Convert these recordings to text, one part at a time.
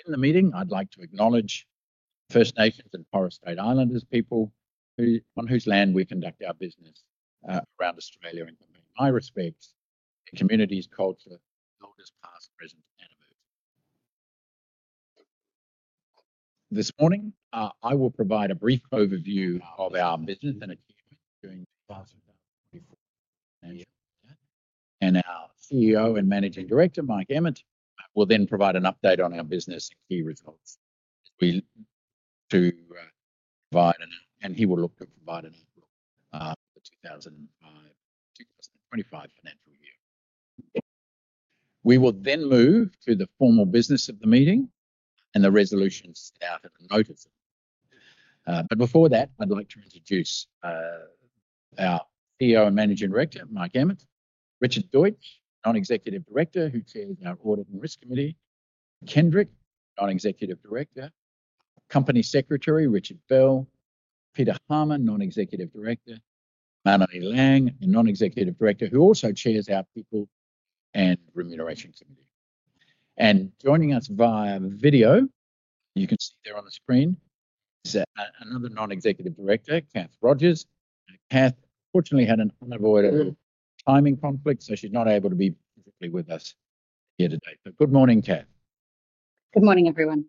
As we begin the meeting, I'd like to acknowledge First Nations and Torres Strait Islanders people on whose land we conduct our business around Australia, and pay my respects to the community's culture builders past, present, and emerging. This morning, I will provide a brief overview of our business and achievements during 2024. Our CEO and Managing Director, Mike Emmett, will then provide an update on our business and key results, and he will look to provide an outlook for the 2025 financial year. We will then move to the formal business of the meeting and the resolutions set out in the notice. But before that, I'd like to introduce our CEO and Managing Director, Mike Emmett, Richard Deutsch, Non-Executive Director who chairs our Audit and Risk Committee, Andrew Kendrick, Non-Executive Director, Company Secretary Richard Bell, Peter Harmer, Non-Executive Director, Melanie Laing, a Non-Executive Director who also chairs our People and Remuneration Committee. And joining us via video, you can see there on the screen, is another Non-Executive Director, Cath Rogers. Cath unfortunately had an unavoidable timing conflict, so she's not able to be physically with us here today. But good morning, Cath. Good morning, everyone.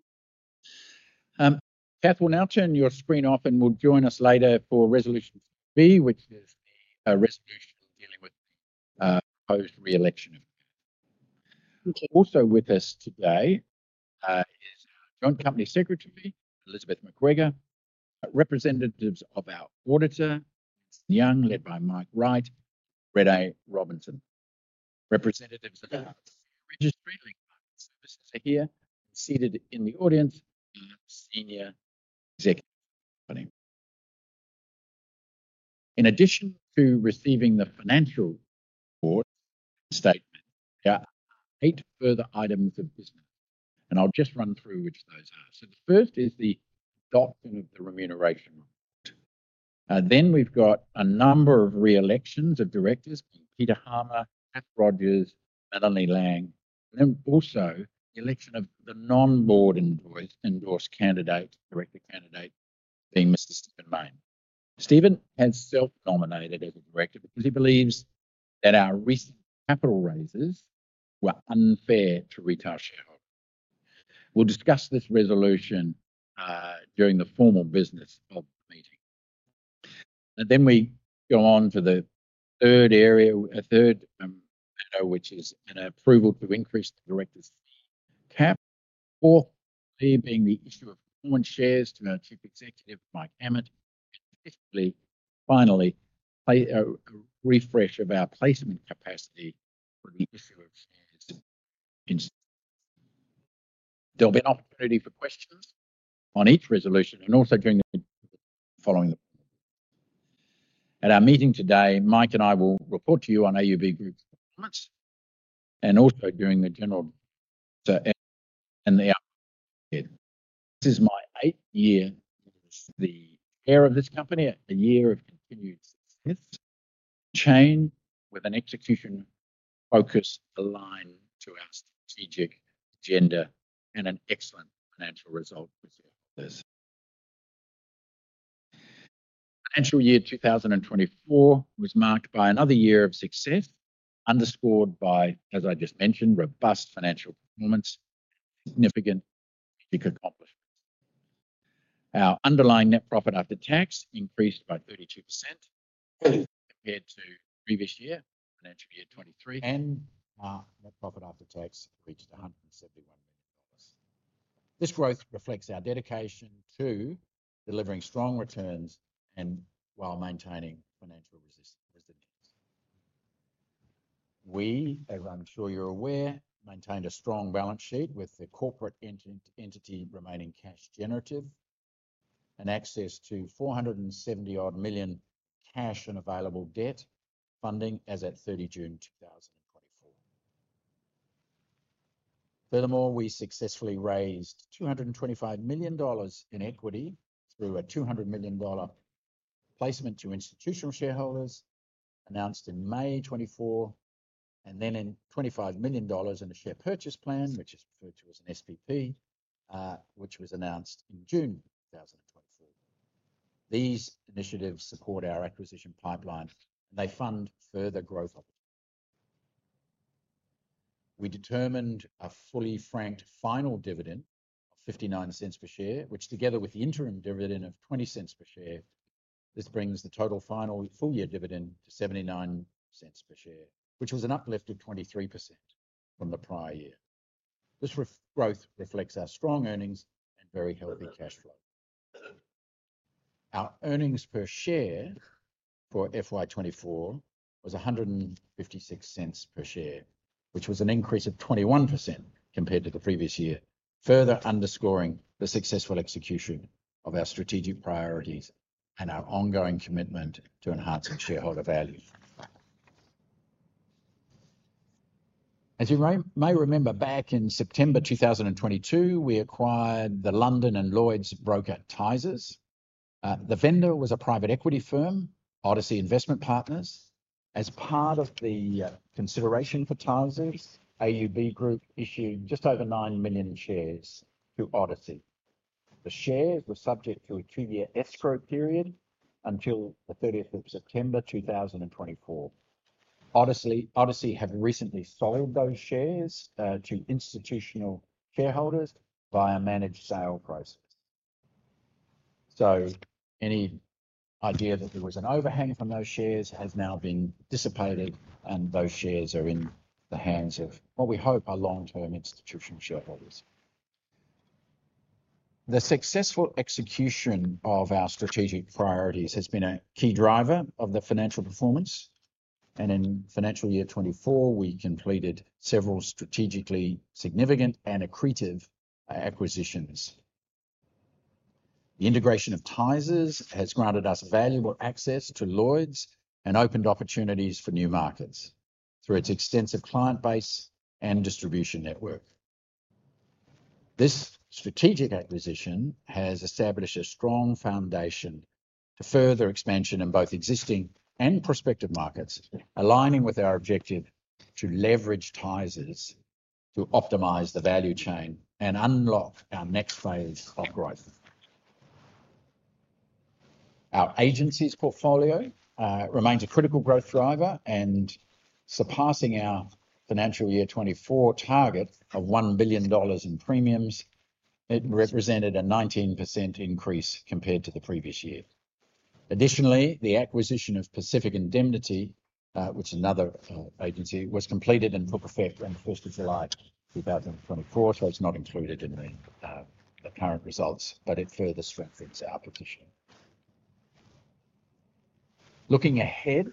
Cath will now turn your screen off and will join us later for Resolution B, which is a resolution dealing with the proposed re-election of Cath. Also with us today is our Joint Company Secretary, Elizabeth McGregor, representatives of our Auditor, Ernst & Young, led by Mike Wright, and Renay Robinson. Representatives of our Registry and Link Market Services are here, and seated in the audience are Senior Executives of the company. In addition to receiving the financial report statement, there are eight further items of business, and I'll just run through which those are, so the first is the adoption of the remuneration report, then we've got a number of re-elections of directors being Peter Harmer, Cath Rogers, Melanie Laing, and then also the election of the non-board endorsed candidate, director candidate, being Stephen Mayne. Stephen has self-nominated as a director because he believes that our recent capital raises were unfair to retail shareholders. We'll discuss this resolution during the formal business of the meeting. Then we go on to the third area, a third matter, which is an approval to increase the Directors' fee cap. Fourthly being the issue of performance shares to our Chief Executive, Mike Emmett, and fifthly, finally, a refresh of our placement capacity for the issue of shares in. There'll be an opportunity for questions on each resolution and also during the meeting following the. At our meeting today, Mike and I will report to you on AUB Group's performance and also during the general meeting and the outcome of the meeting. This is my eighth year as the Chair of this company, a year of continued success, change with an execution focus aligned to our strategic agenda, and an excellent financial result for shareholders. Financial year 2024 was marked by another year of success underscored by, as I just mentioned, robust financial performance and significant accomplishments. Our underlying net profit after tax increased by 32% compared to previous year, financial year 2023, and our net profit after tax reached AUD 171 million. This growth reflects our dedication to delivering strong returns while maintaining financial resilience. We, as I'm sure you're aware, maintained a strong balance sheet with the corporate entity remaining cash generative and access to 470-odd million cash and available debt funding as at 30 June 2024. Furthermore, we successfully raised 225 million dollars in equity through a 200 million dollar placement to institutional shareholders announced in May 2024, and then 25 million dollars in a share purchase plan, which is referred to as an SPP, which was announced in June 2024. These initiatives support our acquisition pipeline, and they fund further growth opportunities. We determined a fully franked final dividend of 0.59 per share, which together with the interim dividend of 0.20 per share, this brings the total final full-year dividend to 0.79 per share, which was an uplift of 23% from the prior year. This growth reflects our strong earnings and very healthy cash flow. Our earnings per share for FY24 was 1.56 per share, which was an increase of 21% compared to the previous year, further underscoring the successful execution of our strategic priorities and our ongoing commitment to enhancing shareholder value. As you may remember, back in September 2022, we acquired the London and Lloyd's broker Tysers. The vendor was a private equity firm, Odyssey Investment Partners. As part of the consideration for Tysers, AUB Group issued just over nine million shares to Odyssey. The shares were subject to a two-year escrow period until the 30th of September 2024. Odyssey had recently sold those shares to institutional shareholders via a managed sale process. So any idea that there was an overhang from those shares has now been dissipated, and those shares are in the hands of what we hope are long-term institutional shareholders. The successful execution of our strategic priorities has been a key driver of the financial performance, and in financial year 2024, we completed several strategically significant and accretive acquisitions. The integration of Tysers has granted us valuable access to Lloyd's and opened opportunities for new markets through its extensive client base and distribution network. This strategic acquisition has established a strong foundation for further expansion in both existing and prospective markets, aligning with our objective to leverage Tysers to optimize the value chain and unlock our next phase of growth. Our agency's portfolio remains a critical growth driver, and surpassing our financial year 2024 target of 1 billion dollars in premiums, it represented a 19% increase compared to the previous year. Additionally, the acquisition of Pacific Indemnity, which is another agency, was completed and took effect on the 1st of July 2024, so it's not included in the current results, but it further strengthens our position. Looking ahead,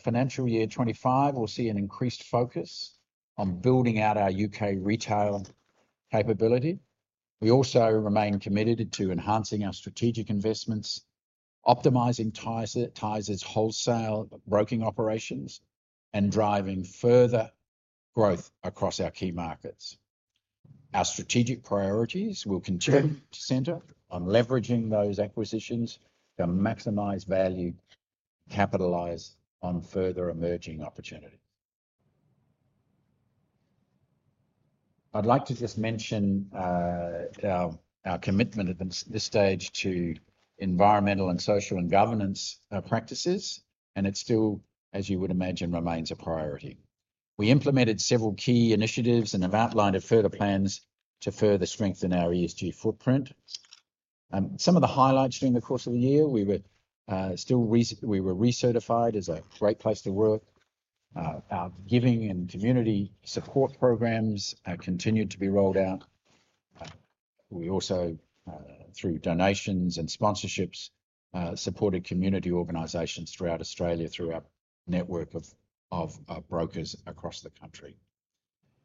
financial year 2025, we'll see an increased focus on building out our UK retail capability. We also remain committed to enhancing our strategic investments, optimizing Tysers' wholesale broking operations, and driving further growth across our key markets. Our strategic priorities will continue to center on leveraging those acquisitions to maximize value and capitalize on further emerging opportunities. I'd like to just mention our commitment at this stage to environmental and social and governance practices, and it still, as you would imagine, remains a priority. We implemented several key initiatives and have outlined further plans to further strengthen our ESG footprint. Some of the highlights during the course of the year, we were recertified as a Great Place to Work. Our giving and community support programs continued to be rolled out. We also, through donations and sponsorships, supported community organizations throughout Australia through our network of brokers across the country.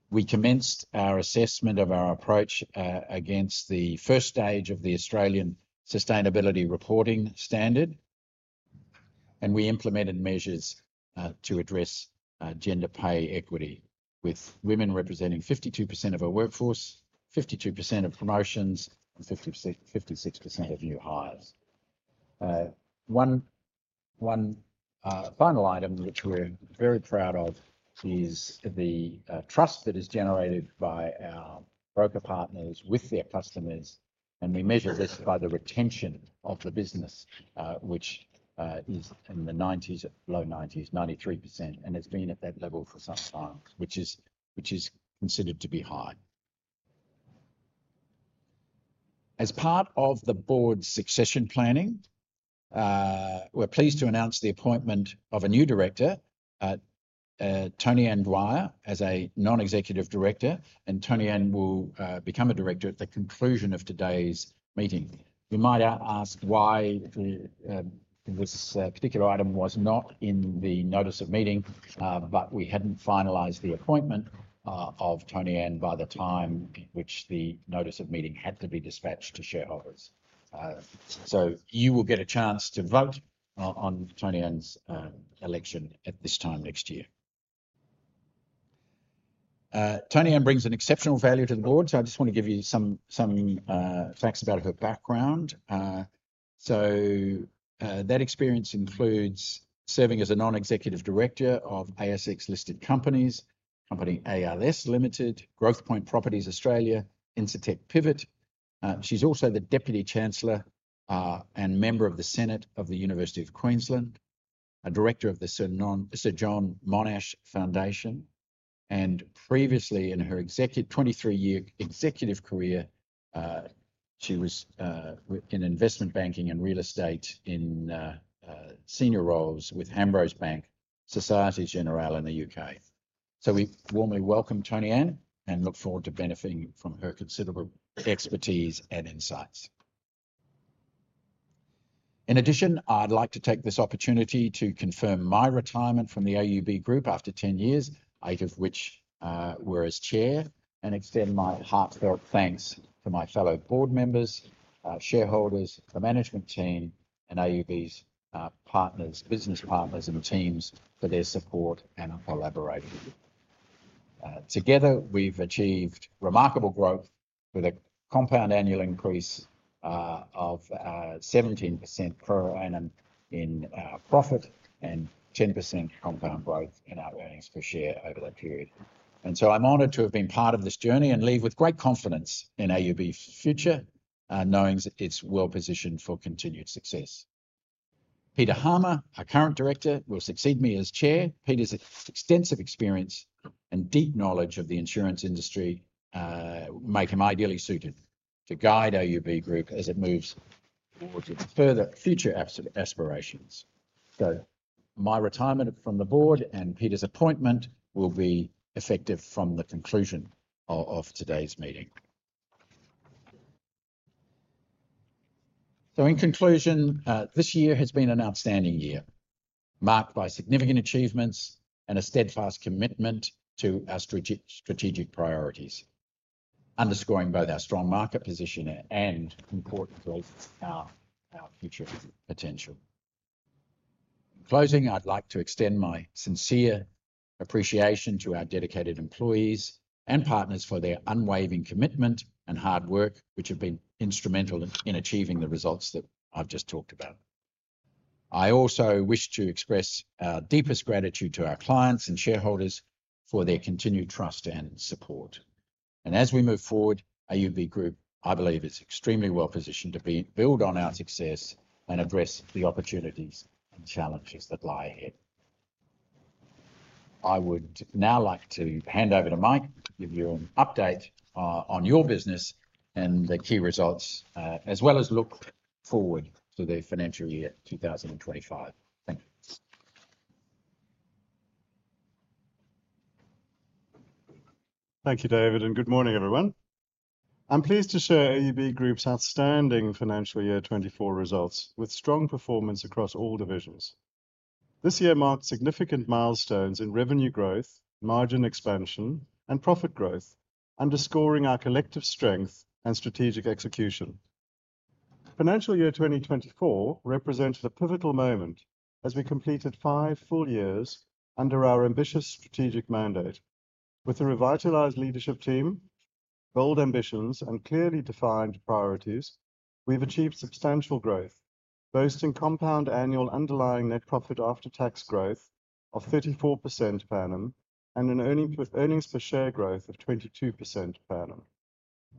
We commenced our assessment of our approach against the first stage of the Australian Sustainability Reporting Standard, and we implemented measures to address gender pay equity, with women representing 52% of our workforce, 52% of promotions, and 56% of new hires. One final item which we're very proud of is the trust that is generated by our broker partners with their customers, and we measure this by the retention of the business, which is in the 90s, low 90s, 93%, and has been at that level for some time, which is considered to be high. As part of the board's succession planning, we're pleased to announce the appointment of a new director, Tonianne Dwyer, as a Non-Executive Director, and Tonianne will become a director at the conclusion of today's meeting. You might ask why this particular item was not in the notice of meeting, but we hadn't finalized the appointment of Tonianne by the time at which the notice of meeting had to be dispatched to shareholders. So you will get a chance to vote on Tonianne's election at this time next year. Tonianne brings an exceptional value to the board, so I just want to give you some facts about her background. So that experience includes serving as a Non-Executive Director of ASX-listed companies, Company ALS Limited, Growthpoint Properties Australia, Incitec Pivot. She's also the Deputy Chancellor and member of the Senate of the University of Queensland, a director of the Sir John Monash Foundation, and previously, in her 23-year executive career, she was in investment banking and real estate in senior roles with Hambros Bank, Société Générale in the UK. We warmly welcome Tonianne and look forward to benefiting from her considerable expertise and insights. In addition, I'd like to take this opportunity to confirm my retirement from the AUB Group after 10 years, eight of which were as chair, and extend my heartfelt thanks to my fellow board members, shareholders, the management team, and AUB's business partners and teams for their support and collaboration. Together, we've achieved remarkable growth with a compound annual increase of 17% per annum in profit and 10% compound growth in our earnings per share over that period. And so I'm honored to have been part of this journey and leave with great confidence in AUB's future, knowing it's well-positioned for continued success. Peter Harmer, our current director, will succeed me as chair. Peter's extensive experience and deep knowledge of the insurance industry make him ideally suited to guide AUB Group as it moves towards its further future aspirations. So my retirement from the board and Peter's appointment will be effective from the conclusion of today's meeting. So in conclusion, this year has been an outstanding year, marked by significant achievements and a steadfast commitment to our strategic priorities, underscoring both our strong market position and, importantly, our future potential. In closing, I'd like to extend my sincere appreciation to our dedicated employees and partners for their unwavering commitment and hard work, which have been instrumental in achieving the results that I've just talked about. I also wish to express our deepest gratitude to our clients and shareholders for their continued trust and support. As we move forward, AUB Group, I believe, is extremely well-positioned to build on our success and address the opportunities and challenges that lie ahead. I would now like to hand over to Mike to give you an update on your business and the key results, as well as look forward to the financial year 2025. Thank you. Thank you, David, and good morning, everyone. I'm pleased to share AUB Group's outstanding financial year 2024 results with strong performance across all divisions. This year marked significant milestones in revenue growth, margin expansion, and profit growth, underscoring our collective strength and strategic execution. Financial year 2024 represented a pivotal moment as we completed five full years under our ambitious strategic mandate. With a revitalized leadership team, bold ambitions, and clearly defined priorities, we've achieved substantial growth, boasting compound annual underlying net profit after tax growth of 34% per annum and an earnings per share growth of 22% per annum.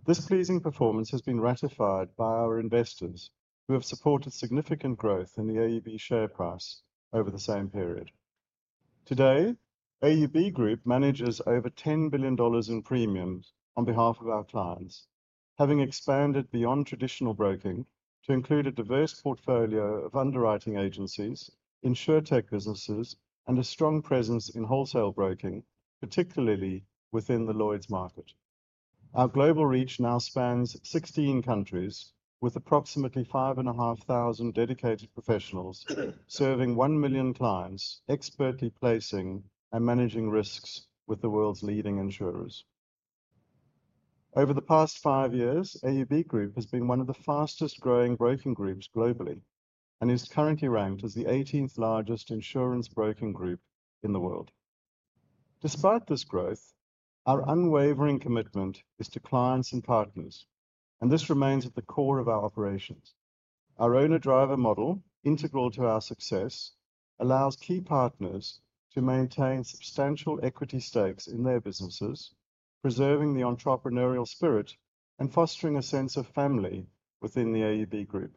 This pleasing performance has been ratified by our investors, who have supported significant growth in the AUB share price over the same period. Today, AUB Group manages over 10 billion dollars in premiums on behalf of our clients, having expanded beyond traditional broking to include a diverse portfolio of underwriting agencies, insurtech businesses, and a strong presence in wholesale broking, particularly within the Lloyd's market. Our global reach now spans 16 countries, with approximately 5,500 dedicated professionals serving one million clients, expertly placing and managing risks with the world's leading insurers. Over the past five years, AUB Group has been one of the fastest-growing broking groups globally and is currently ranked as the 18th largest insurance broking group in the world. Despite this growth, our unwavering commitment is to clients and partners, and this remains at the core of our operations. Our owner-driver model, integral to our success, allows key partners to maintain substantial equity stakes in their businesses, preserving the entrepreneurial spirit and fostering a sense of family within the AUB Group.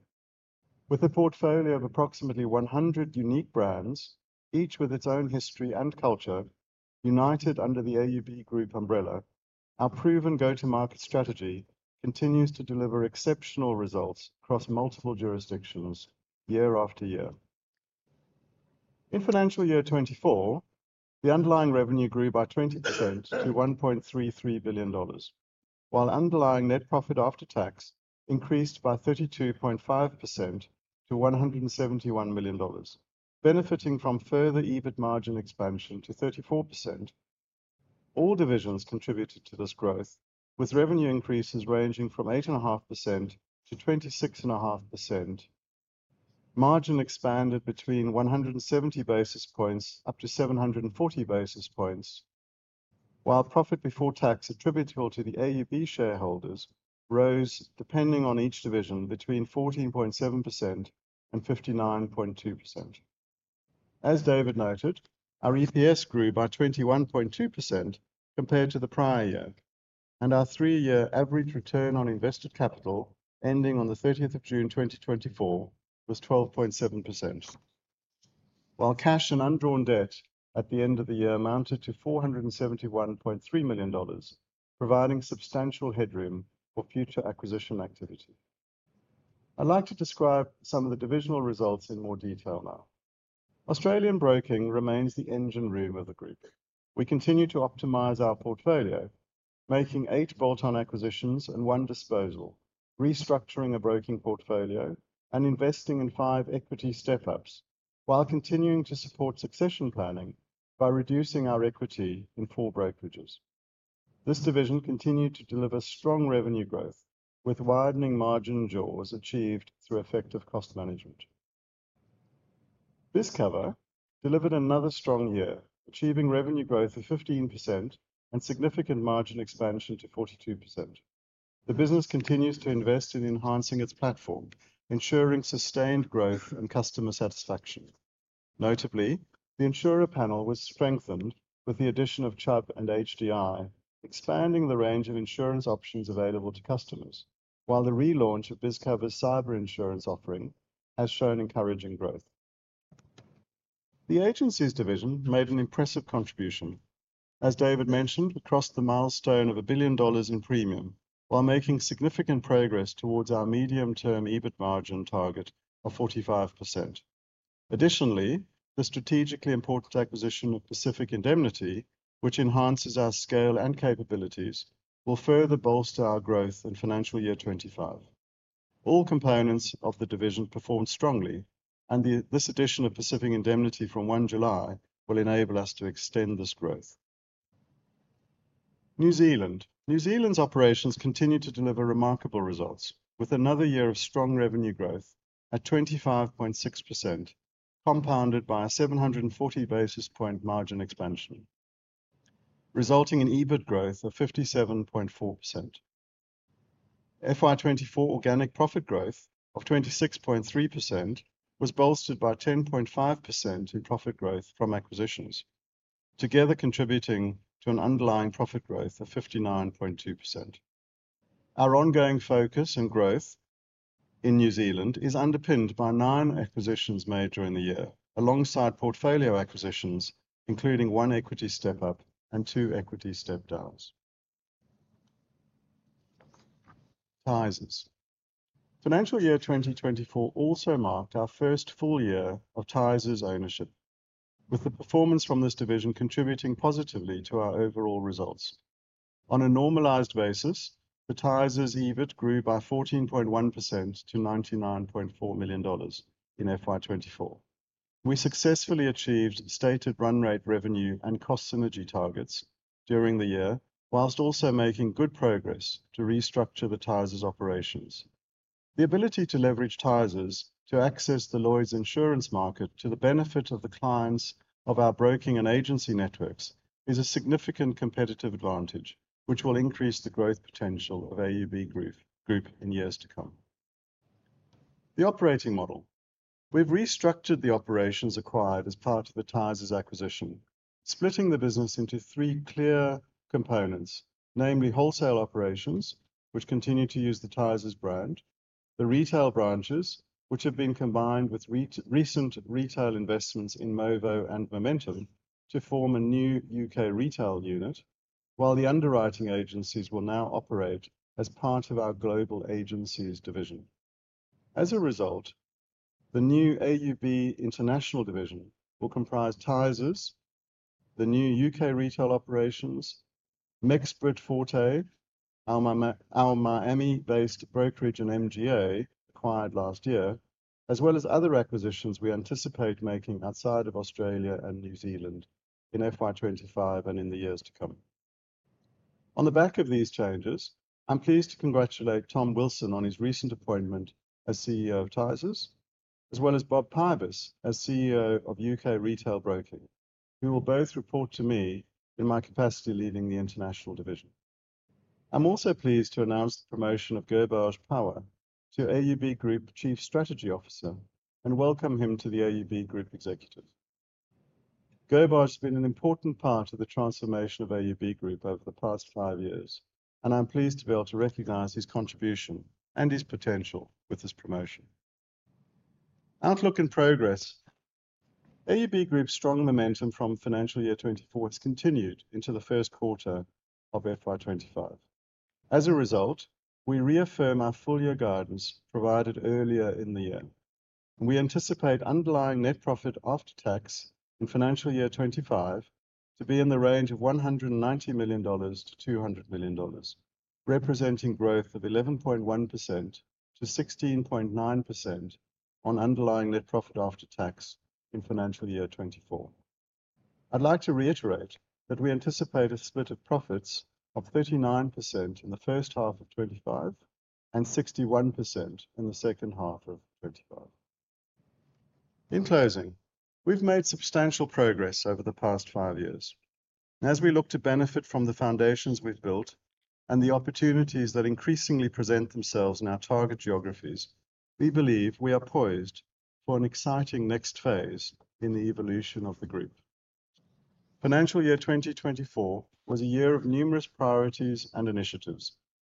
With a portfolio of approximately 100 unique brands, each with its own history and culture, united under the AUB Group umbrella, our proven go-to-market strategy continues to deliver exceptional results across multiple jurisdictions year after year. In financial year 2024, the underlying revenue grew by 20% to 1.33 billion dollars, while underlying net profit after tax increased by 32.5% to 171 million dollars, benefiting from further EBIT margin expansion to 34%. All divisions contributed to this growth, with revenue increases ranging from 8.5% to 26.5%. Margin expanded between 170 basis points up to 740 basis points, while profit before tax attributable to the AUB shareholders rose depending on each division between 14.7% and 59.2%. As David noted, our EPS grew by 21.2% compared to the prior year, and our three-year average return on invested capital ending on the 30th of June 2024 was 12.7%, while cash and undrawn debt at the end of the year amounted to 471.3 million dollars, providing substantial headroom for future acquisition activity. I'd like to describe some of the divisional results in more detail now. Australian broking remains the engine room of the group. We continue to optimize our portfolio, making eight bolt-on acquisitions and one disposal, restructuring a broking portfolio, and investing in five equity step-ups, while continuing to support succession planning by reducing our equity in full brokerages. This division continued to deliver strong revenue growth, with widening margin jaws achieved through effective cost management. This cover delivered another strong year, achieving revenue growth of 15% and significant margin expansion to 42%. The business continues to invest in enhancing its platform, ensuring sustained growth and customer satisfaction. Notably, the insurer panel was strengthened with the addition of Chubb and HDI, expanding the range of insurance options available to customers, while the relaunch of BizCover's cyber insurance offering has shown encouraging growth. The agencies division made an impressive contribution, as David mentioned, across the milestone of 1 billion dollars in premium, while making significant progress towards our medium-term EBIT margin target of 45%. Additionally, the strategically important acquisition of Pacific Indemnity, which enhances our scale and capabilities, will further bolster our growth in financial year 2025. All components of the division performed strongly, and this addition of Pacific Indemnity from 1 July will enable us to extend this growth. New Zealand. New Zealand's operations continue to deliver remarkable results, with another year of strong revenue growth at 25.6%, compounded by a 740 basis point margin expansion, resulting in EBIT growth of 57.4%. FY24 organic profit growth of 26.3% was bolstered by 10.5% in profit growth from acquisitions, together contributing to an underlying profit growth of 59.2%. Our ongoing focus and growth in New Zealand is underpinned by nine acquisitions made during the year, alongside portfolio acquisitions, including one equity step-up and two equity step-downs. Tysers. Financial year 2024 also marked our first full year of Tysers ownership, with the performance from this division contributing positively to our overall results. On a normalized basis, the Tysers EBIT grew by 14.1% to 99.4 million dollars in FY24. We successfully achieved stated run rate revenue and cost synergy targets during the year, while also making good progress to restructure the Tysers operations. The ability to leverage Tysers to access the Lloyd's insurance market to the benefit of the clients of our broking and agency networks is a significant competitive advantage, which will increase the growth potential of AUB Group in years to come. The operating model. We've restructured the operations acquired as part of the Tysers acquisition, splitting the business into three clear components, namely wholesale operations, which continue to use the Tysers brand, the retail branches, which have been combined with recent retail investments in Movo and Momentum to form a new UK retail unit, while the underwriting agencies will now operate as part of our global agencies division. As a result, the new AUB International division will comprise Tysers, the new UK retail operations, Mexpress, Forte, our Miami-based brokerage and MGA acquired last year, as well as other acquisitions we anticipate making outside of Australia and New Zealand in FY25 and in the years to come. On the back of these changes, I'm pleased to congratulate Tom Wilson on his recent appointment as CEO of Tysers, as well as Bob Pybus as CEO of UK retail broking, who will both report to me in my capacity leading the international division. I'm also pleased to announce the promotion of Gurpreet Pawar to AUB Group Chief Strategy Officer and welcome him to the AUB Group Executives. Gurpreet has been an important part of the transformation of AUB Group over the past five years, and I'm pleased to be able to recognize his contribution and his potential with this promotion. Outlook and progress. AUB Group's strong momentum from financial year 2024 has continued into the first quarter of FY 2025. As a result, we reaffirm our full-year guidance provided earlier in the year. We anticipate underlying net profit after tax in financial year 2025 to be in the range of 190 million-200 million dollars, representing growth of 11.1%-16.9% on underlying net profit after tax in financial year 2024. I'd like to reiterate that we anticipate a split of profits of 39% in the first half of 2025 and 61% in the second half of 2025. In closing, we've made substantial progress over the past five years. As we look to benefit from the foundations we've built and the opportunities that increasingly present themselves in our target geographies, we believe we are poised for an exciting next phase in the evolution of the group. Financial year 2024 was a year of numerous priorities and initiatives,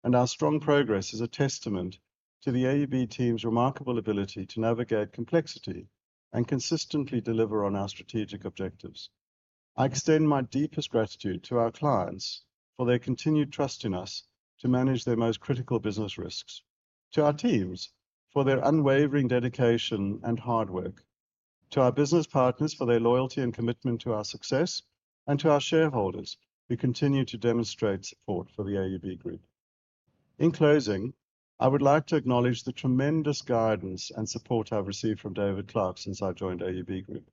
and our strong progress is a testament to the AUB team's remarkable ability to navigate complexity and consistently deliver on our strategic objectives. I extend my deepest gratitude to our clients for their continued trust in us to manage their most critical business risks, to our teams for their unwavering dedication and hard work, to our business partners for their loyalty and commitment to our success, and to our shareholders who continue to demonstrate support for the AUB Group. In closing, I would like to acknowledge the tremendous guidance and support I've received from David Clarke since I joined AUB Group.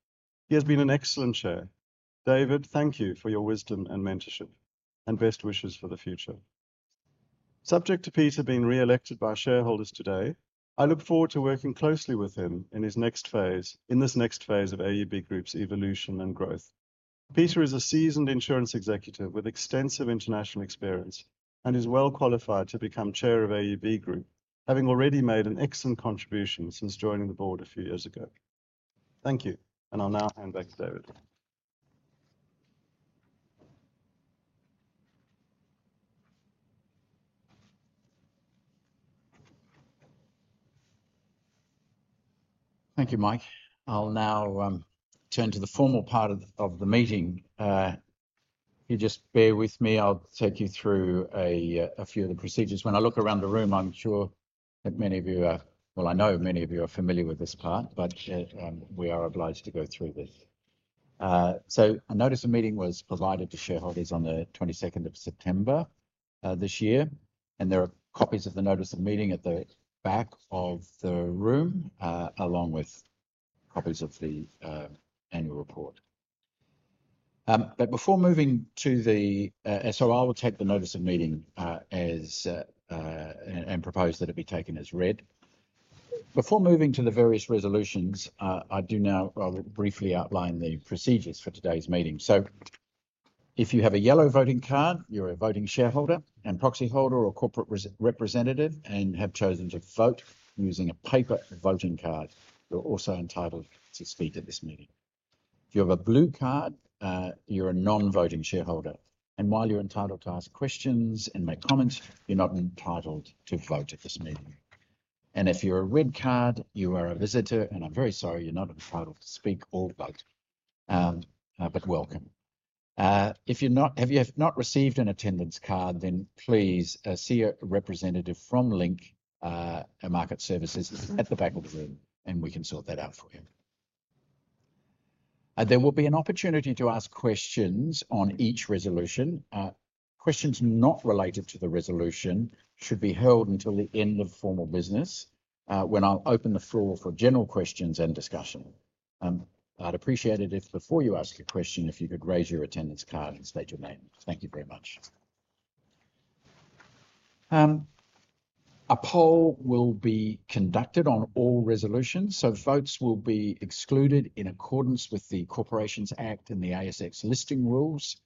He has been an excellent chair. David, thank you for your wisdom and mentorship, and best wishes for the future. Subject to Peter being re-elected by shareholders today, I look forward to working closely with him in this next phase of AUB Group's evolution and growth. Peter is a seasoned insurance executive with extensive international experience and is well qualified to become chair of AUB Group, having already made an excellent contribution since joining the board a few years ago. Thank you, and I'll now hand back to David. Thank you, Mike. I'll now turn to the formal part of the meeting. If you just bear with me, I'll take you through a few of the procedures. When I look around the room, I'm sure that many of you are, well, I know many of you are familiar with this part, but we are obliged to go through this. A notice of meeting was provided to shareholders on the 22nd of September this year, and there are copies of the notice of meeting at the back of the room, along with copies of the annual report. But before moving to, so I will take the notice of meeting and propose that it be taken as read. Before moving to the various resolutions, I do now briefly outline the procedures for today's meeting. So if you have a yellow voting card, you're a voting shareholder and proxy holder or corporate representative and have chosen to vote using a paper voting card, you're also entitled to speak at this meeting. If you have a blue card, you're a non-voting shareholder, and while you're entitled to ask questions and make comments, you're not entitled to vote at this meeting. If you're a red card, you are a visitor, and I'm very sorry, you're not entitled to speak or vote, but welcome. If you have not received an attendance card, then please see a representative from Link, our market services, at the back of the room, and we can sort that out for you. There will be an opportunity to ask questions on each resolution. Questions not related to the resolution should be held until the end of formal business when I'll open the floor for general questions and discussion. I'd appreciate it if before you ask a question, if you could raise your attendance card and state your name. Thank you very much. A poll will be conducted on all resolutions, so votes will be excluded in accordance with the Corporations Act and the ASX listing rules.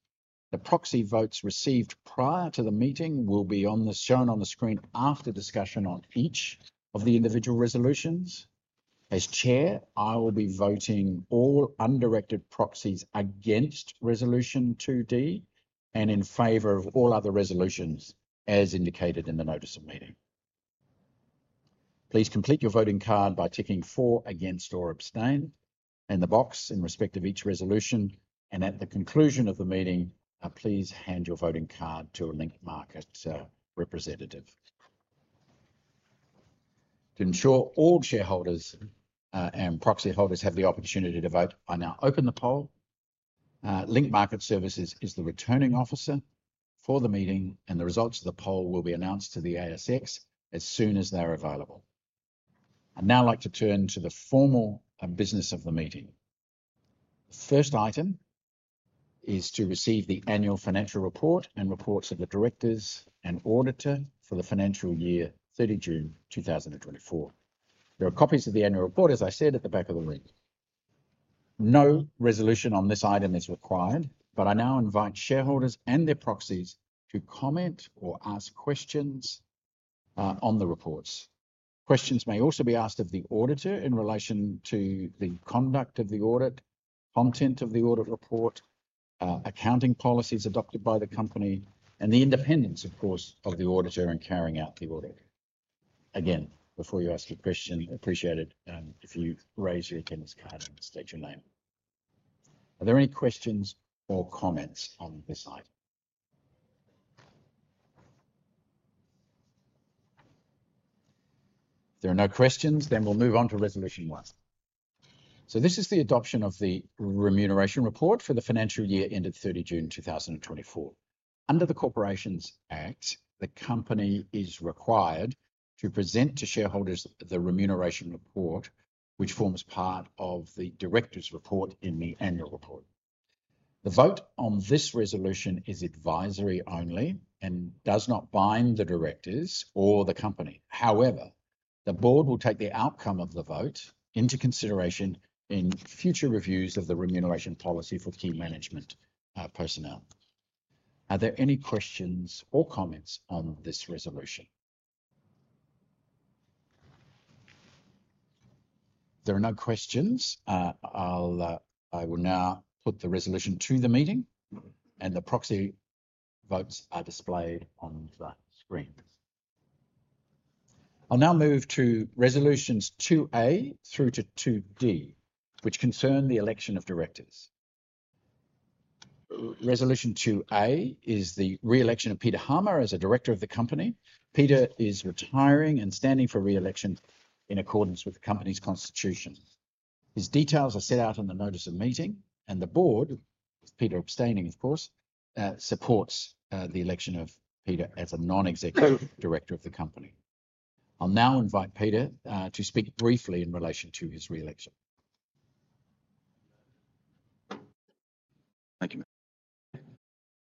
The proxy votes received prior to the meeting will be shown on the screen after discussion on each of the individual resolutions. As chair, I will be voting all undirected proxies against resolution 2D and in favor of all other resolutions as indicated in the notice of meeting. Please complete your voting card by ticking for, against, or abstain in the box in respect of each resolution, and at the conclusion of the meeting, please hand your voting card to a Link Market representative. To ensure all shareholders and proxy holders have the opportunity to vote, I now open the poll. Link Market Services is the returning officer for the meeting, and the results of the poll will be announced to the ASX as soon as they're available. I'd now like to turn to the formal business of the meeting. The first item is to receive the annual financial report and reports of the directors and auditor for the financial year, 30 June 2024. There are copies of the annual report, as I said, at the back of the room. No resolution on this item is required, but I now invite shareholders and their proxies to comment or ask questions on the reports. Questions may also be asked of the auditor in relation to the conduct of the audit, content of the audit report, accounting policies adopted by the company, and the independence, of course, of the auditor in carrying out the audit. Again, before you ask a question, I'd appreciate it if you raise your attendance card and state your name. Are there any questions or comments on this item? If there are no questions, then we'll move on to resolution one. This is the adoption of the remuneration report for the financial year ended 30 June 2024. Under the Corporations Act, the company is required to present to shareholders the remuneration report, which forms part of the directors' report in the annual report. The vote on this resolution is advisory only and does not bind the directors or the company. However, the board will take the outcome of the vote into consideration in future reviews of the remuneration policy for key management personnel. Are there any questions or comments on this resolution? If there are no questions, I will now put the resolution to the meeting, and the proxy votes are displayed on the screen. I'll now move to resolutions 2A through to 2D, which concern the election of directors. Resolution 2A is the re-election of Peter Harmer as a director of the company. Peter is retiring and standing for re-election in accordance with the company's constitution. His details are set out in the notice of meeting, and the board, with Peter abstaining, of course, supports the election of Peter as a non-executive director of the company. I'll now invite Peter to speak briefly in relation to his re-election. Thank you, Mike. Good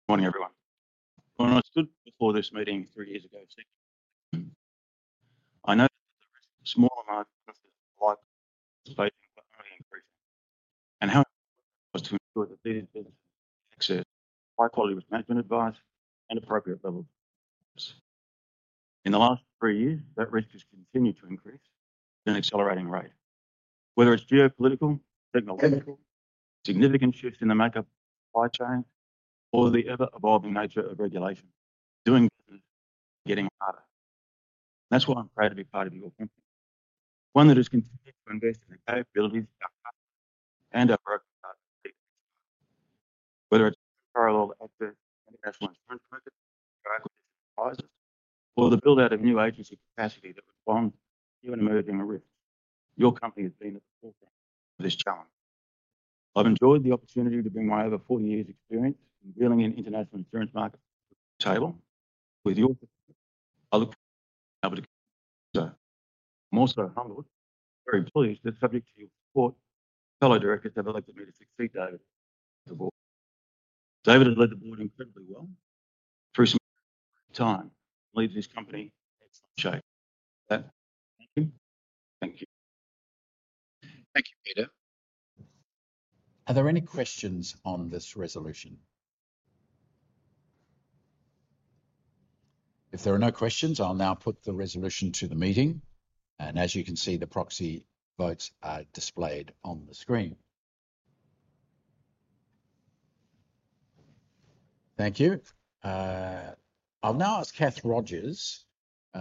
morning, everyone. When I stood before this meeting three years ago, I noticed that the risk to small and medium-sized businesses was only increasing. How important it was to ensure that these businesses access high-quality management advice and appropriate levels. In the last three years, that risk has continued to increase at an accelerating rate. Whether it's geopolitical, technological, significant shifts in the makeup of supply chains, or the ever-evolving nature of regulation, doing business is getting harder. That's why I'm proud to be part of your company. One that has continued to invest in the capabilities of our customers and our brokers' capacity. Whether it's parallel access to international insurance markets, guidance, advisors, or the build-out of new agency capacity that responds to new and emerging risks, your company has been at the forefront of this challenge. I've enjoyed the opportunity to bring my over 40 years' experience in dealing in international insurance markets to the table. With your support, I look forward to being able to continue to do so. I'm also humbled, very pleased that subject to your support, fellow directors have elected me to succeed David at the board. David has led the board incredibly well through some time, leaves his company in excellent shape. Thank you. Thank you. Thank you, Peter. Are there any questions on this resolution? If there are no questions, I'll now put the resolution to the meeting. As you can see, the proxy votes are displayed on the screen. Thank you. I'll now ask Cath Rogers.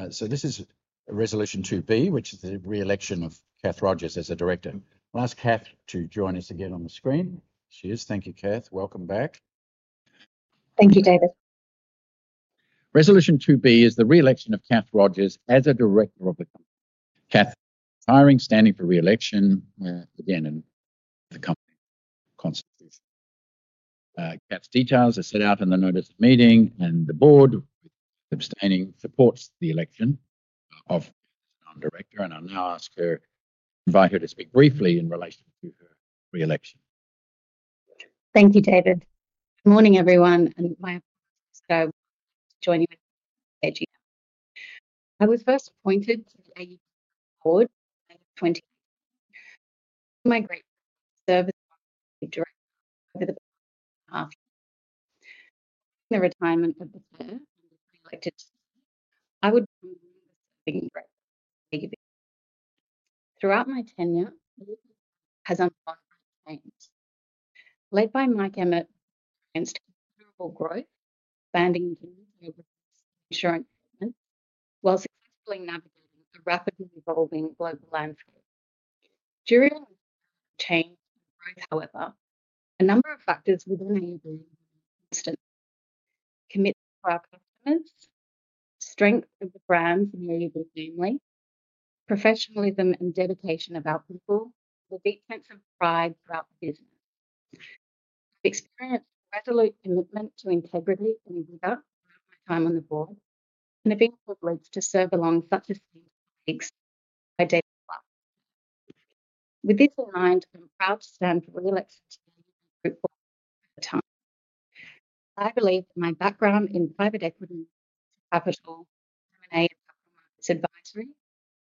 So this is resolution 2B, which is the re-election of Cath Rogers as a director. I'll ask Cath to join us again on the screen. She is. Thank you, Cath. Welcome back. Thank you, David. Resolution 2B is the re-election of Cath Rogers as a director of the company. Cath is retiring, standing for re-election again in the company constitution. Cath's details are set out in the notice of meeting, and the board, with abstaining, supports the election of Cath as a director. I'll now ask her, invite her to speak briefly in relation to her re-election. Thank you, David. Good morning, everyone. My apologies for joining with me on stage again. I was first appointed to the AUB board in May of 2018. I have served as a director over the past year and a half. Following the retirement of the Chair and the pre-elected team, I would be on the serving director of the AUB. Throughout my tenure, the AUB board has undergone many changes led by Mike Emmett and his considerable growth, expanding deals over recent insurance payments, while successfully navigating a rapidly evolving global landscape. During the change and growth, however, a number of factors within AUB were more consistent: Commitment to our customers, strength of the brands and AUB family, professionalism and dedication of our people, and a deep sense of pride throughout the business. I've experienced a resolute commitment to integrity and rigor throughout my time on the board, and the vehicle that leads to serve along such a steaming excellence by David Clarke. With this in mind, I'm proud to stand for re-election to the AUB Group board at the time. I believe that my background in private equity, venture capital, M&A, and capital markets advisory,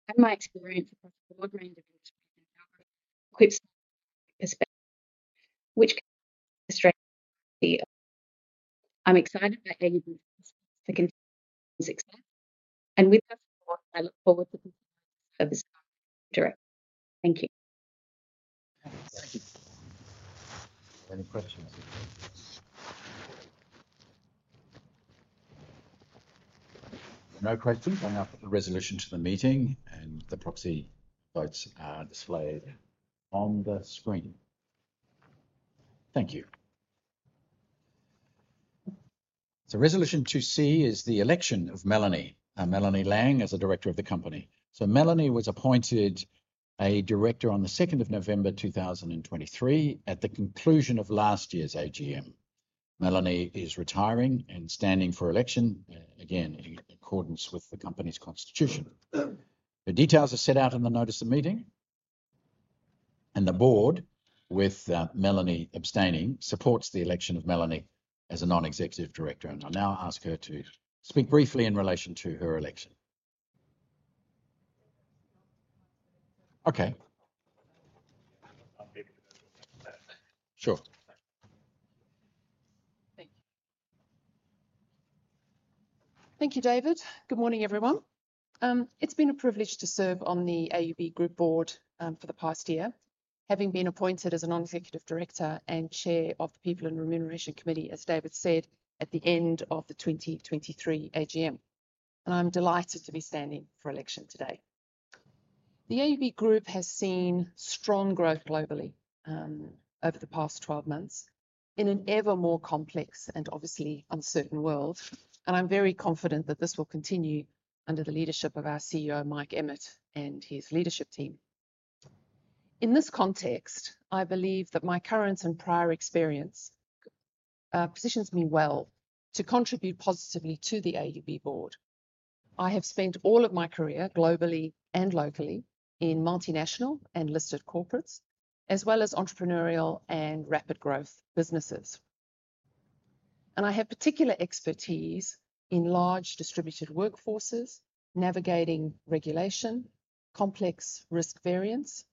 and my experience across a broad range of industries and geographies equips me with the expertise, which can help illustrate my capacity of. I'm excited by AUB's perspectives to continue to achieve success, and with their support, I look forward to continuing to serve as our director. Thank you. Thank you. Any questions? No questions. I now put the resolution to the meeting, and the proxy votes are displayed on the screen. Thank you. So resolution 2C is the election of Melanie Laing as a director of the company. So Melanie was appointed a director on the 2nd of November 2023 at the conclusion of last year's AGM. Melanie is retiring and standing for election again in accordance with the company's constitution. Her details are set out in the notice of meeting, and the board, with Melanie abstaining, supports the election of Melanie as a Non-Executive Director, and I'll now ask her to speak briefly in relation to her election. Okay. Sure. Thank you. Thank you, David. Good morning, everyone. It's been a privilege to serve on the AUB Group board for the past year, having been appointed as a Non-Executive Director and Chair of the People and Remuneration Committee, as David said, at the end of the 2023 AGM, and I'm delighted to be standing for election today. The AUB Group has seen strong growth globally over the past 12 months in an ever more complex and obviously uncertain world. And I'm very confident that this will continue under the leadership of our CEO, Mike Emmett, and his leadership team. In this context, I believe that my current and prior experience positions me well to contribute positively to the AUB board. I have spent all of my career globally and locally in multinational and listed corporates, as well as entrepreneurial and rapid growth businesses. And I have particular expertise in large distributed workforces, navigating regulation, complex risk variants,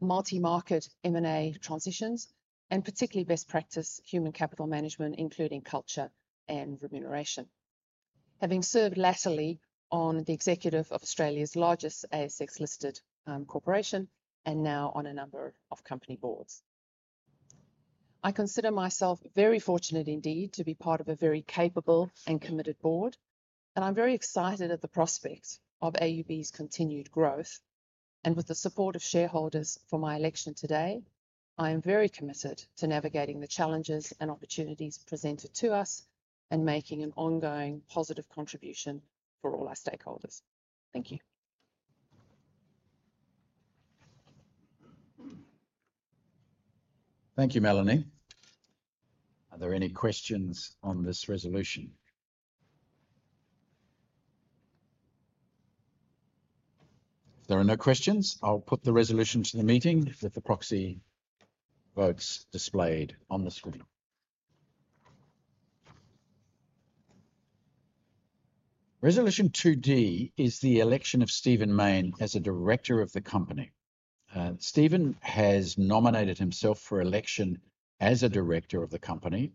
multi-market M&A transitions, and particularly best practice human capital management, including culture and remuneration, having served laterally on the executive of Australia's largest ASX-listed corporation and now on a number of company boards. I consider myself very fortunate indeed to be part of a very capable and committed board. And I'm very excited at the prospect of AUB's continued growth. And with the support of shareholders for my election today, I am very committed to navigating the challenges and opportunities presented to us and making an ongoing positive contribution for all our stakeholders. Thank you. Thank you, Melanie. Are there any questions on this resolution? If there are no questions, I'll put the resolution to the meeting with the proxy votes displayed on the screen. Resolution 2D is the election of Stephen Mayne as a director of the company. Stephen has nominated himself for election as a director of the company.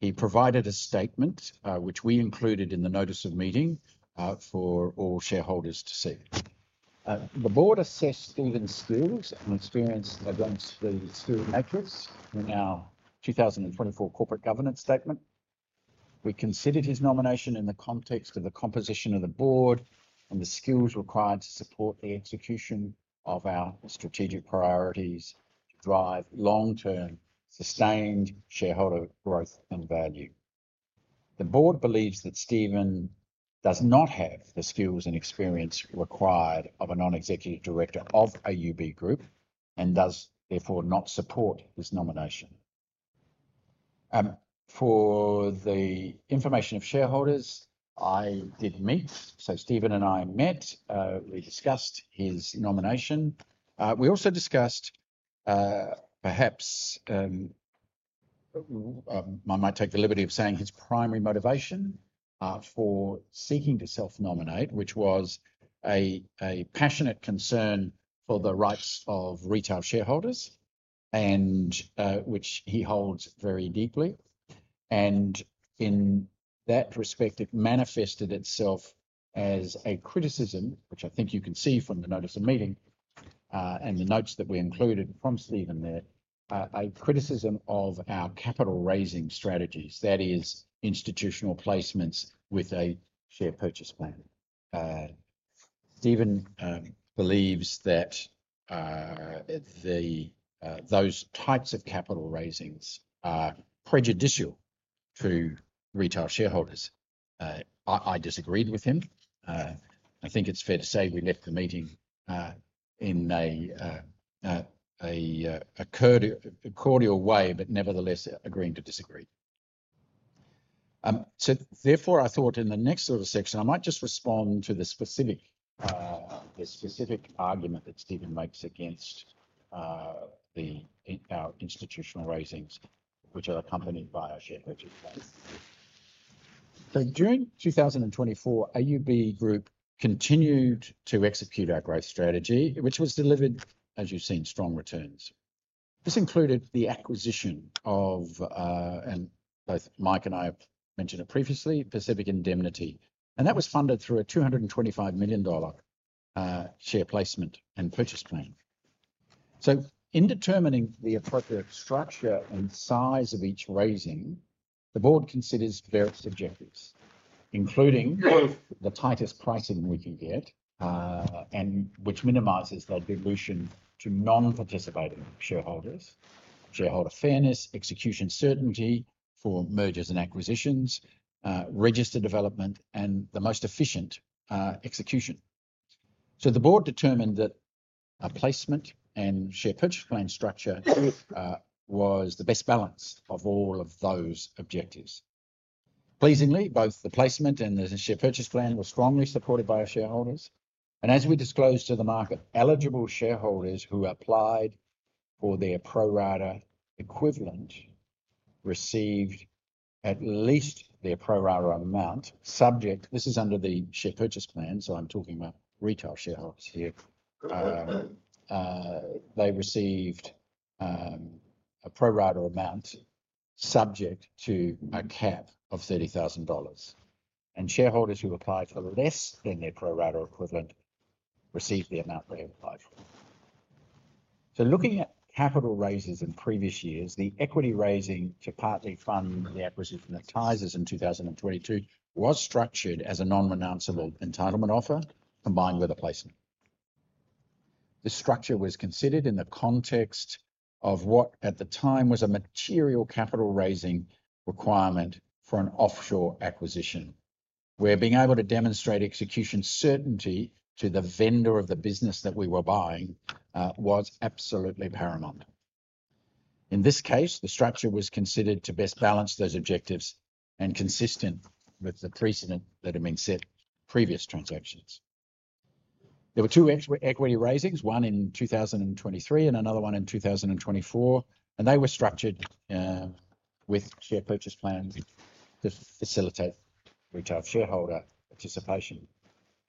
He provided a statement which we included in the notice of meeting for all shareholders to see. The board assessed Stephen's skills and experience against the skills matrix in our 2024 corporate governance statement. We considered his nomination in the context of the composition of the board and the skills required to support the execution of our strategic priorities to drive long-term sustained shareholder growth and value. The board believes that Stephen does not have the skills and experience required of a non-executive director of AUB Group and does therefore not support his nomination. For the information of shareholders, I did meet. So Stephen and I met. We discussed his nomination. We also discussed perhaps I might take the liberty of saying his primary motivation for seeking to self-nominate, which was a passionate concern for the rights of retail shareholders, which he holds very deeply. In that respect, it manifested itself as a criticism, which I think you can see from the notice of meeting and the notes that we included from Stephen there, a criticism of our capital raising strategies, that is, institutional placements with a share purchase plan. Stephen believes that those types of capital raisings are prejudicial to retail shareholders. I disagreed with him. I think it's fair to say we left the meeting in a cordial way, but nevertheless agreeing to disagree. Therefore, I thought in the next little section, I might just respond to the specific argument that Stephen makes against our institutional raisings, which are accompanied by our share purchase plan. During 2024, AUB Group continued to execute our growth strategy, which was delivered, as you've seen, strong returns. This included the acquisition of, and both Mike and I have mentioned it previously, Pacific Indemnity. That was funded through an 225 million dollar share placement and purchase plan. In determining the appropriate structure and size of each raising, the board considers various objectives, including the tightest pricing we can get, which minimizes their dilution to non-participating shareholders, shareholder fairness, execution certainty for mergers and acquisitions, register development, and the most efficient execution. The board determined that a placement and share purchase plan structure was the best balance of all of those objectives. Pleasingly, both the placement and the share purchase plan were strongly supported by our shareholders. As we disclosed to the market, eligible shareholders who applied for their pro-rata equivalent received at least their pro-rata amount, subject to this is under the share purchase plan, so I'm talking about retail shareholders here. They received a pro-rata amount subject to a cap of 30,000 dollars. Shareholders who applied for less than their pro-rata equivalent received the amount they applied for. So looking at capital raises in previous years, the equity raising to partly fund the acquisition of Tysers in 2022 was structured as a non-renounceable entitlement offer combined with a placement. This structure was considered in the context of what at the time was a material capital raising requirement for an offshore acquisition, where being able to demonstrate execution certainty to the vendor of the business that we were buying was absolutely paramount. In this case, the structure was considered to best balance those objectives and consistent with the precedent that had been set in previous transactions. There were two equity raisings, one in 2023 and another one in 2024. They were structured with share purchase plans to facilitate retail shareholder participation.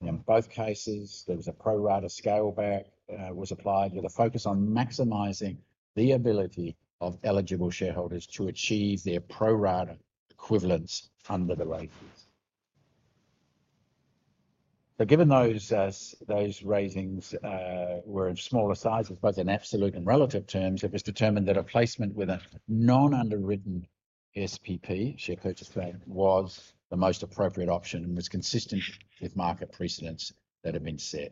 In both cases, there was a pro-rata scale back that was applied with a focus on maximizing the ability of eligible shareholders to achieve their pro-rata equivalents under the raises, so given those raisings were of smaller sizes, both in absolute and relative terms, it was determined that a placement with a non-underwritten SPP, share purchase plan, was the most appropriate option and was consistent with market precedents that had been set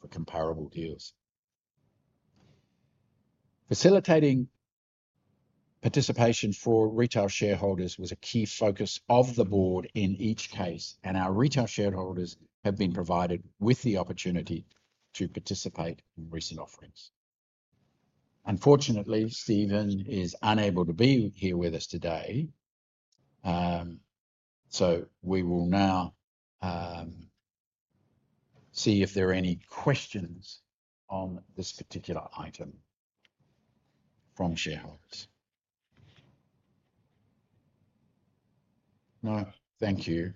for comparable deals. Facilitating participation for retail shareholders was a key focus of the board in each case, and our retail shareholders have been provided with the opportunity to participate in recent offerings. Unfortunately, Stephen is unable to be here with us today, so we will now see if there are any questions on this particular item from shareholders. No. Thank you.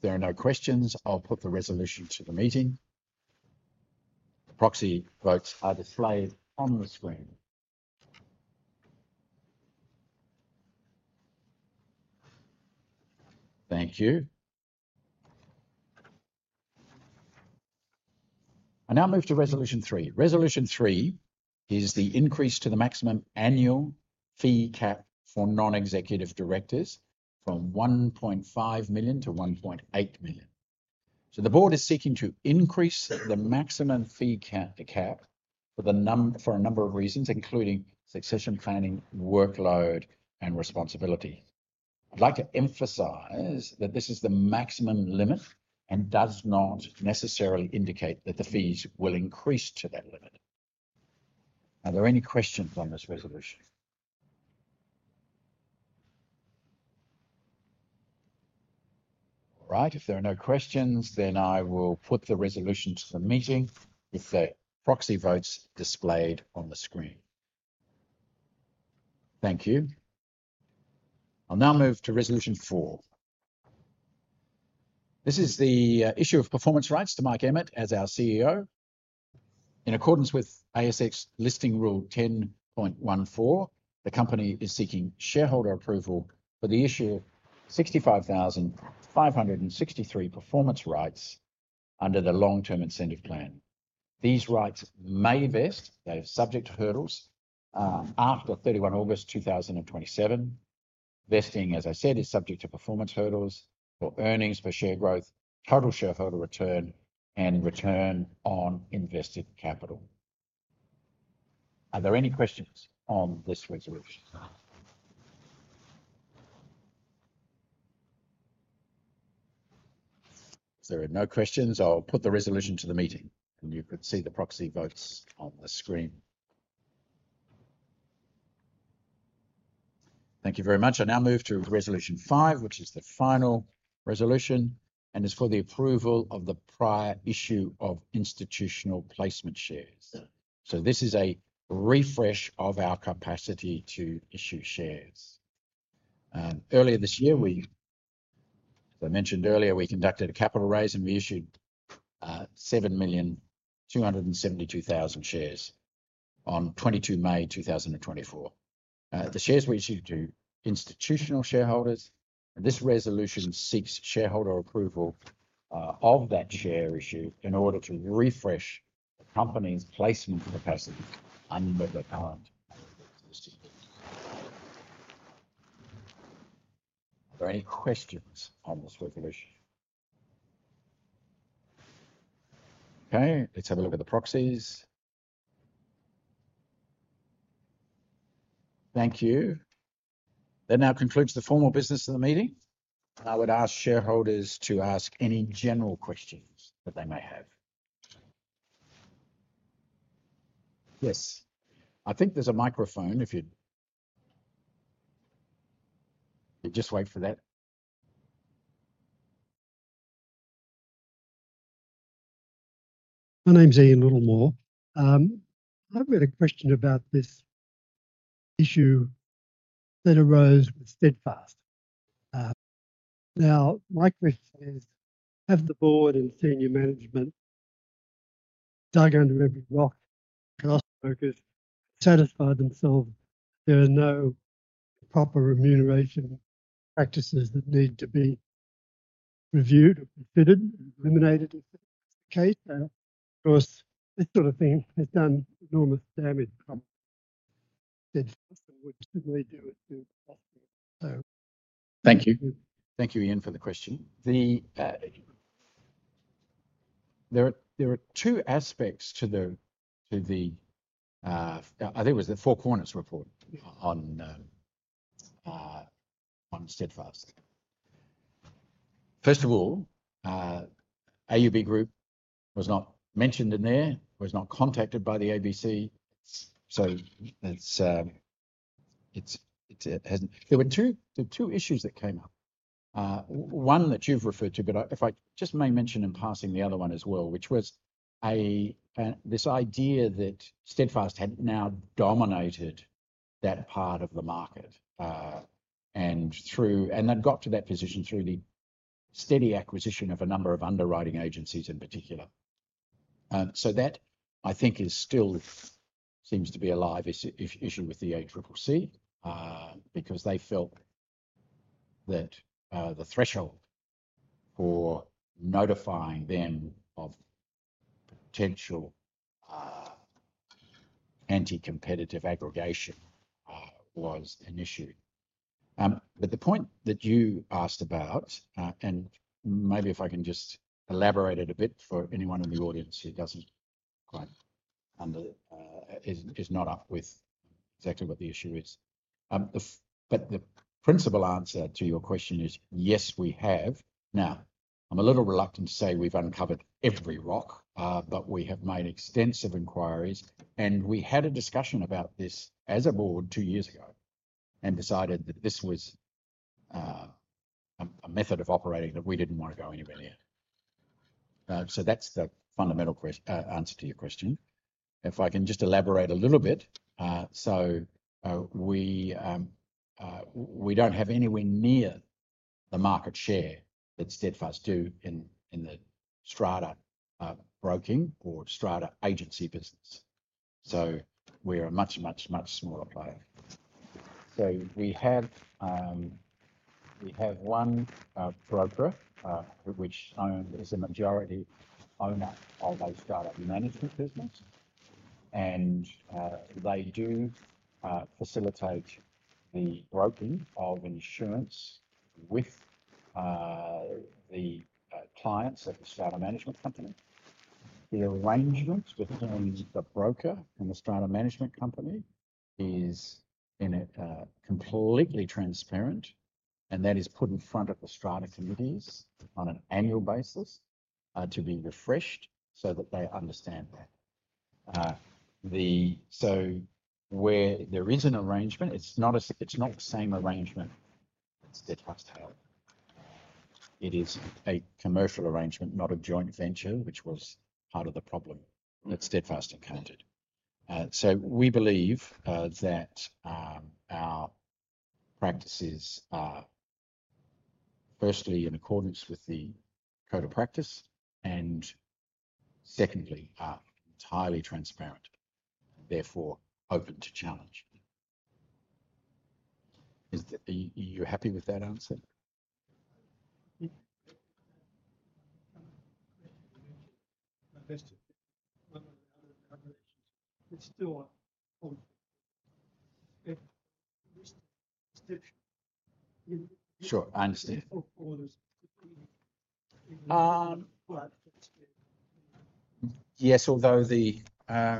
If there are no questions, I'll put the resolution to the meeting. Proxy votes are displayed on the screen. Thank you. I now move to resolution three. Resolution three is the increase to the maximum annual fee cap for non-executive directors from 1.5 million to 1.8 million, so the board is seeking to increase the maximum fee cap for a number of reasons, including succession planning, workload, and responsibility. I'd like to emphasize that this is the maximum limit and does not necessarily indicate that the fees will increase to that limit. Are there any questions on this resolution? All right. If there are no questions, then I will put the resolution to the meeting with the proxy votes displayed on the screen. Thank you. I'll now move to resolution four. This is the issue of performance rights to Mike Emmett as our CEO. In accordance with ASX listing rule 10.14, the company is seeking shareholder approval for the issue of 65,563 performance rights under the long-term incentive plan. These rights may vest. They vest subject to hurdles after 31 August 2027. Vesting, as I said, is subject to performance hurdles for earnings per share growth, total shareholder return, and return on invested capital. Are there any questions on this resolution? If there are no questions, I'll put the resolution to the meeting, and you can see the proxy votes on the screen. Thank you very much. I now move to resolution five, which is the final resolution, and is for the approval of the prior issue of institutional placement shares. So this is a refresh of our capacity to issue shares. Earlier this year, as I mentioned earlier, we conducted a capital raise, and we issued 7,272,000 shares on 22 May 2024. The shares were issued to institutional shareholders. And this resolution seeks shareholder approval of that share issue in order to refresh the company's placement capacity under the current. Are there any questions on this resolution? Okay. Let's have a look at the proxies. Thank you. That now concludes the formal business of the meeting. I would ask shareholders to ask any general questions that they may have. Yes. I think there's a microphone. If you just wait for that. My name's Ian Littlemore. I've got a question about this issue that arose with Steadfast. Now, My brief says, "Have the board and senior management left no stone unturned and dotted every i and crossed every t, satisfied themselves that there are no improper remuneration practices that need to be reviewed or considered and eliminated if that's the case? Of course, this sort of thing has done enormous damage to Steadfast, and we certainly don't want such costs." Thank you. Thank you, Ian, for the question. There are two aspects to the, I think it was the Four Corners report on Steadfast. First of all, AUB Group was not mentioned in there, was not contacted by the ABC. So there were two issues that came up. One that you've referred to, but if I just may mention in passing the other one as well, which was this idea that Steadfast had now dominated that part of the market, and that got to that position through the steady acquisition of a number of underwriting agencies in particular. So that, I think, still seems to be a live issue with the ACCC because they felt that the threshold for notifying them of potential anti- competitive aggregation was an issue. But the point that you asked about, and maybe if I can just elaborate it a bit for anyone in the audience who is not up with exactly what the issue is. But the principal answer to your question is, yes, we have. Now, I'm a little reluctant to say we've uncovered every rock, but we have made extensive inquiries. And we had a discussion about this as a board two years ago and decided that this was a method of operating that we didn't want to go anywhere near. So that's the fundamental answer to your question. If I can just elaborate a little bit. So we don't have anywhere near the market share that Steadfast do in the strata broking or strata agency business. So we're a much, much, much smaller player. So we have one broker which is a majority owner of a strata management business. And they do facilitate the broking of insurance with the clients of the strata management company. The arrangements between the broker and the strata management company is completely transparent, and that is put in front of the strata committees on an annual basis to be refreshed so that they understand that. So where there is an arrangement, it's not the same arrangement that Steadfast held. It is a commercial arrangement, not a joint venture, which was part of the problem that Steadfast encountered. We believe that our practices are firstly in accordance with the code of practice and secondly are entirely transparent, therefore open to challenge. Are you happy with that answer? Sure. I understand. Yes, although I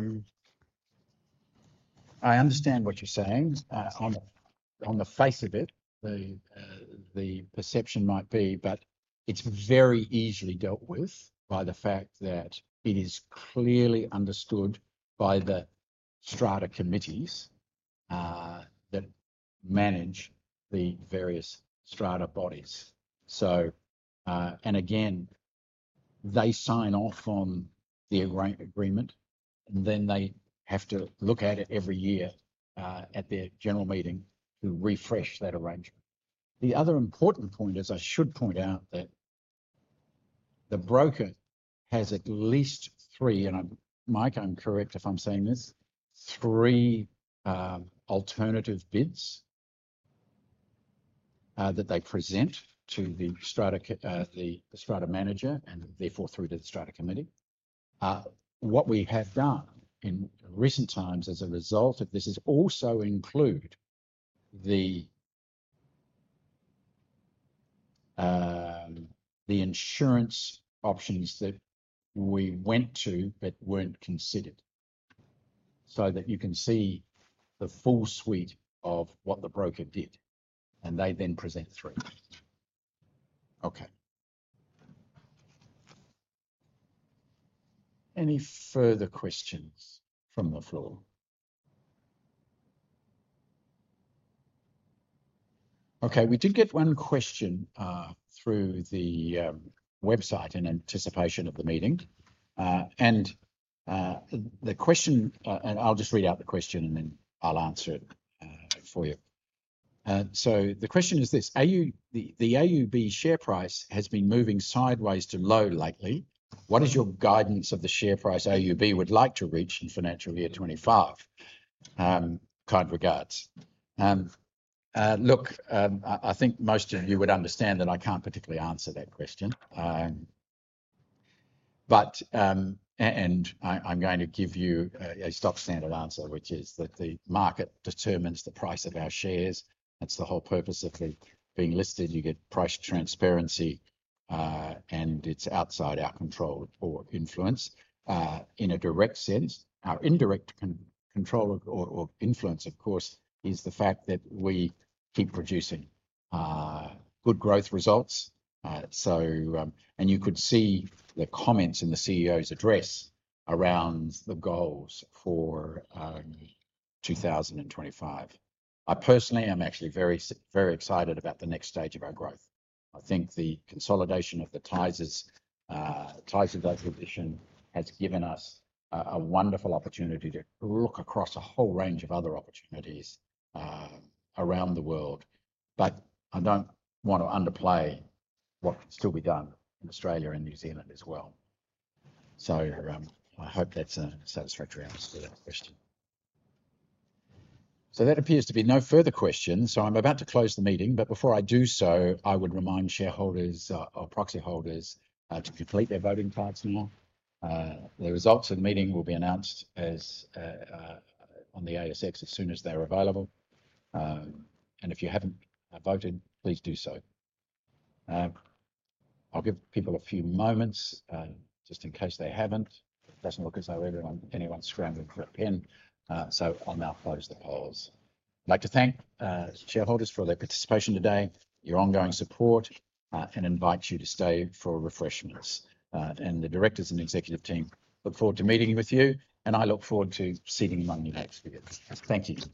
understand what you're saying. On the face of it, the perception might be, but it's very easily dealt with by the fact that it is clearly understood by the strata committees that manage the various strata bodies. They sign off on the agreement, and then they have to look at it every year at their general meeting to refresh that arrangement. The other important point, as I should point out, that the broker has at least three, and Mike, I'm correct if I'm saying this, three alternative bids that they present to the strata manager and therefore through to the strata committee. What we have done in recent times as a result of this has also included the insurance options that we went to but weren't considered so that you can see the full suite of what the broker did, and they then present three. Okay. Any further questions from the floor? Okay. We did get one question through the website in anticipation of the meeting, and the question, and I'll just read out the question, and then I'll answer it for you. So the question is this: "The AUB share price has been moving sideways to low lately. What is your guidance of the share price AUB would like to reach in financial year 2025?" Kind regards. Look, I think most of you would understand that I can't particularly answer that question. I'm going to give you a stock standard answer, which is that the market determines the price of our shares. That's the whole purpose of being listed. You get price transparency, and it's outside our control or influence. In a direct sense, our indirect control or influence, of course, is the fact that we keep producing good growth results. You could see the comments in the CEO's address around the goals for 2025. I personally am actually very excited about the next stage of our growth. I think the consolidation of the Tysers acquisition has given us a wonderful opportunity to look across a whole range of other opportunities around the world. But I don't want to underplay what can still be done in Australia and New Zealand as well. So I hope that's a satisfactory answer to that question. So that appears to be no further questions. So I'm about to close the meeting. But before I do so, I would remind shareholders or proxy holders to complete their voting cards now. The results of the meeting will be announced on the ASX as soon as they're available. And if you haven't voted, please do so. I'l l give people a few moments just in case they haven't. It doesn't look as though anyone's scrambled for a pen. So I'll now close the polls. I'd like to thank shareholders for their participation today, your ongoing support, and invite you to stay for refreshments. The directors and executive team look forward to meeting with you, and I look forward to seeing you at our next year's. Thank you.